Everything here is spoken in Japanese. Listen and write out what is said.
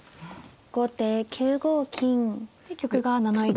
後手９五金。で玉が７一玉。